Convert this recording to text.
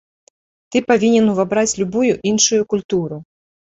Ты павінен увабраць любую іншую культуру.